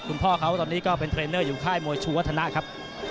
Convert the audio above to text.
คุณพ่อเขาตอนนี้ก็เป็นเทรนเนอร์อยู่ค่ายมวยชูวัฒนะครับ